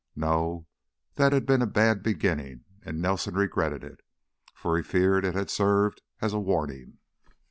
No, that had been a bad beginning and Nelson regretted it, for he feared it had served as a warning.